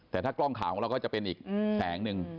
แต่ถ้ากล้องข่าวของเราก็จะเป็นอีกแสงหนึ่ง